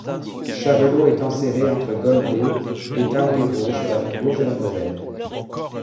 Chavelot est enserrée entre Golbey et Thaon-les-Vosges sur la rive gauche de la Moselle.